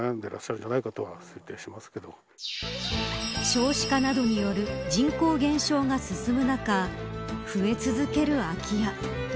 少子化などによる人口減少が進む中増え続ける空き家。